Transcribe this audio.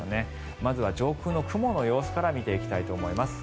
まずは上空の雲の様子から見ていきたいと思います。